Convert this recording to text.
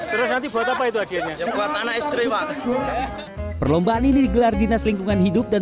terus nanti buat apa itu hasilnya buat anak istri pak perlombaan ini digelar dinas lingkungan hidup dan